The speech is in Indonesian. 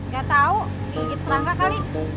gak tau gigit serangga kali